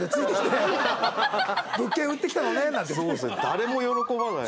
「物件売ってきたのね」なんて。